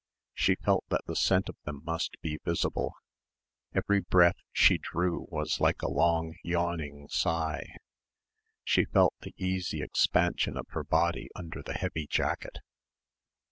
She felt that the scent of them must be visible. Every breath she drew was like a long yawning sigh. She felt the easy expansion of her body under her heavy jacket....